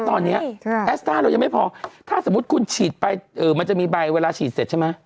ตอนนี้แอสต้าเรายังไม่พอถ้าสมมุติคุณฉีดไปมันจะมีใบเวลาฉีดเสร็จใช่ไหม